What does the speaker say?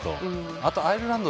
あと、アイルランド